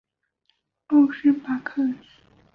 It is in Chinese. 欧森巴克。